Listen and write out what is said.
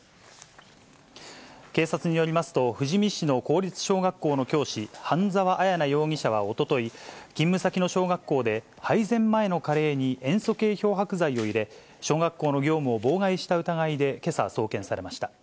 警察によりますと、富士見市の公立小学校の教師、半沢彩奈容疑者はおととい、勤務先の小学校で、配膳前のカレーに塩素系漂白剤を入れ、小学校の業務を妨害した疑いでけさ、送検されました。